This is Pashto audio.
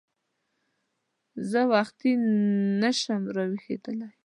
زه وختي نه شم راویښېدلی !